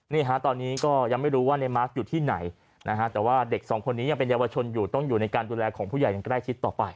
นี่ฮะตอนนี้ก็ยังไม่รู้ว่าในมาร์คอยู่ที่ไหนนะฮะแต่ว่าเด็กสองคนนี้ยังเป็นเยาวชนอยู่ต้องอยู่ในการดูแลของผู้ใหญ่อย่างใกล้ชิดต่อไป